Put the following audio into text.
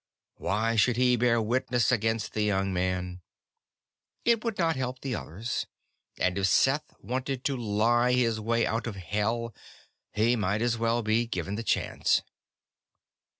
Why should he bear witness against the young man? It would not help the others, and if Seth wanted to lie his way out of Hell, he might as well be given the chance.